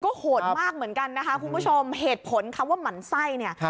โหดมากเหมือนกันนะคะคุณผู้ชมเหตุผลคำว่าหมั่นไส้เนี่ย